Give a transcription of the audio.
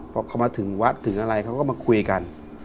พอเขามาถึงวัดถึงอะไรเขาก็มาคุยกัน